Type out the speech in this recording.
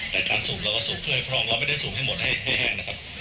แต่การสูบเราก็สูบเพื่อให้พรองเราไม่ได้สูบให้หมดให้แห้งนะครับ